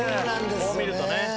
こう見るとね。